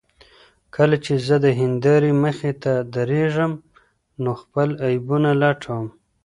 کله چې زه د هندارې مخې ته درېږم نو خپل عیبونه لټوم.